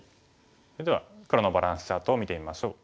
それでは黒のバランスチャートを見てみましょう。